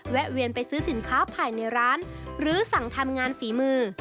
แวนไปซื้อสินค้าภายในร้านหรือสั่งทำงานฝีมือ